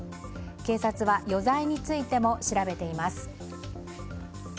警察は、余罪についても調べています。